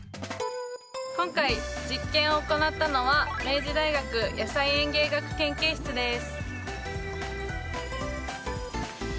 今回実験を行ったのは明治大学野菜園芸学研究室です。